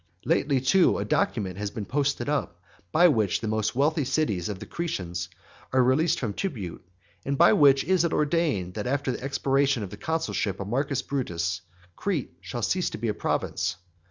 Lately, too, a document has been posted up by which the most wealthy cities of the Cretans are released from tribute; and by which it is ordained that after the expiration of the consulship of Marcus Brutus, Crete shall cease to be a province.